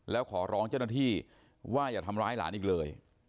แล้วขอร้องเจ้าหน้าที่ว่าอย่าทำร้ายหลานอีกเลย